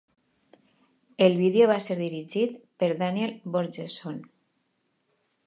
El vídeo va ser dirigit per Daniel Borjesson.